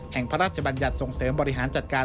พระราชบัญญัติส่งเสริมบริหารจัดการ